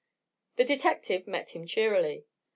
The detective met him cheerily.